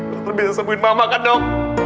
lalu bisa sembuhin mama kan dok